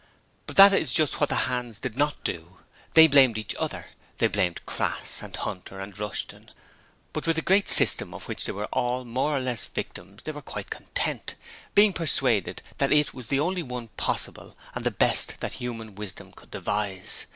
But that IS just what the hands did not do. They blamed each other; they blamed Crass, and Hunter, and Rushton, but with the Great System of which they were all more or less the victims they were quite content, being persuaded that it was the only one possible and the best that human wisdom could devise.